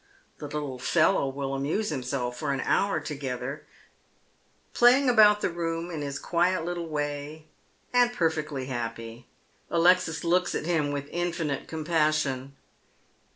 The little fellow will amuse himself for an hour together, play ing about the room in his quiet little way, and perfectly happy. Alexis looks at him with infinite compassion.